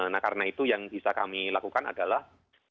nah karena itu yang bisa kami lakukan adalah